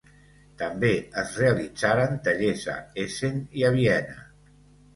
També es realitzaren tallers a Essen i a Viena.